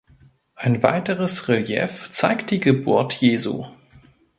Ein weiteres Relief zeigt die Geburt Jesu.